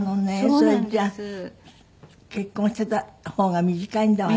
それじゃあ結婚していた方が短いんだわね。